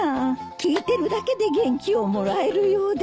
聴いてるだけで元気をもらえるようです。